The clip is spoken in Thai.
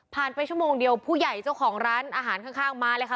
ไปชั่วโมงเดียวผู้ใหญ่เจ้าของร้านอาหารข้างมาเลยค่ะ